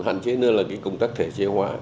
một cái hạn chế nữa là cái công tác thể chế hóa